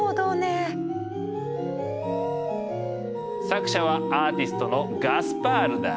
作者はアーティストのガスパールだ。